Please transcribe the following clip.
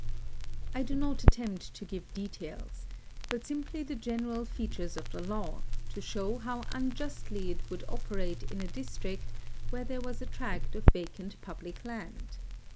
1 do not attempt to give details, hut simply the general features of the law, to show how unjustly it would operate in a district where there was a tract of vacant pub lic land.